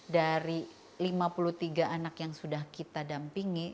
dari lima puluh tiga anak yang sudah kita dampingi